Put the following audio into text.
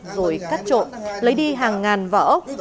rồi cắt trộm lấy đi hàng ngàn vỏ ốc